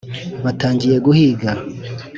batangiye guhiga!